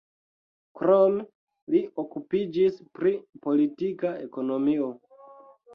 Krome li okupiĝis pri politika ekonomio.